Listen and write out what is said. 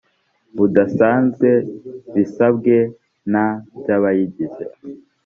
budasanzwe bisabwe na by abayigize